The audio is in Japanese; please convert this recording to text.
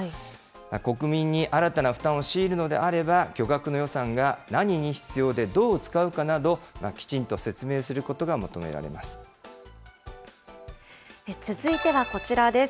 国民に新たな負担を強いるのであれば、巨額の予算が何に必要で、どう使うかなど、きちんと説明す続いてはこちらです。